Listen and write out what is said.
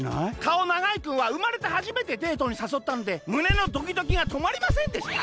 かおながいくんはうまれてはじめてデートにさそったのでむねのドキドキがとまりませんでした」。